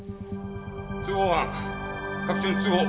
通報班各所に通報。